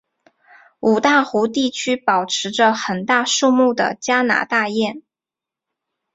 五大湖地区保持着很大数目的加拿大雁。